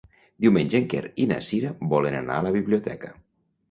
Diumenge en Quer i na Cira volen anar a la biblioteca.